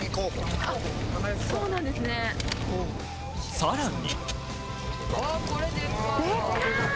さらに。